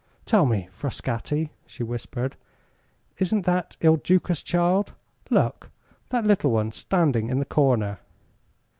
"Tell me, Frascatti," she whispered, "isn't that Il Duca's child? Look that little one standing in the corner?"